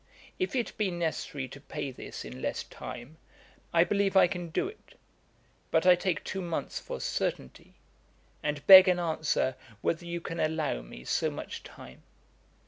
If it be necessary to pay this in less time, I believe I can do it; but I take two months for certainty, and beg an answer whether you can allow me so much time.